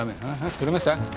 撮れました？